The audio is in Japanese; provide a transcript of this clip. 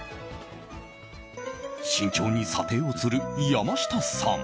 慎重に査定をする山下さん。